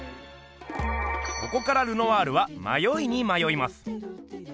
ここからルノワールはまよいにまよいます。